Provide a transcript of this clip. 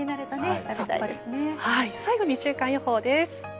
最後に週間予報です。